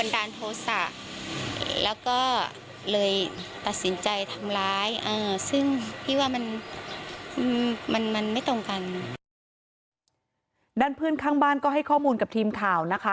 ด้านเพื่อนข้างบ้านก็ให้ข้อมูลกับทีมข่าวนะคะ